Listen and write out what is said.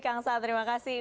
kang sa terima kasih